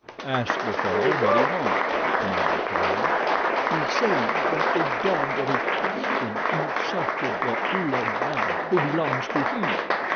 "Ask the fellow what he wants," commanded Tarzan. "He says that 'the dog of a Christian' insulted the Ouled Nail, who belongs to him.